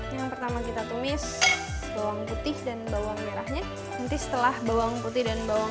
yang pertama kita tumis bawang putih dan bawang merahnya nanti setelah bawang putih dan bawang